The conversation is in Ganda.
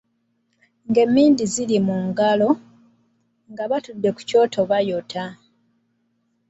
Ng'emmindi ziri mu ngalo, nga batudde ku kyoto bayota.